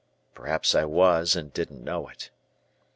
Perhaps I was and didn't know it.